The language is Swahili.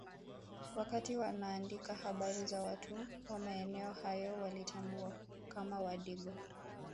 Wakiwa wanaandika habari za watu wa maeneo hayo waliwatambua kama Wadigo